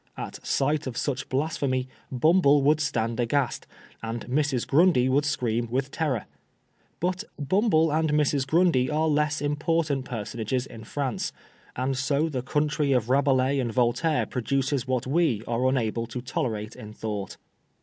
At sight of such blasphemy Bumble would s^iuxd aghast, .and Mrs. Grundy would scream with terror. But Bumble and Mrs. Grundy are less important personages in France, and so the country of Rabelais and Voltaire produces what we are unable to tolerate in thought."